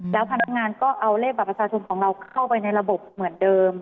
แล้วพนักงานก็เอาเลขบัตรประชาชนของเราเข้าไปในระบบเหมือนเดิม